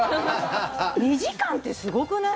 ２時間ってすごくない？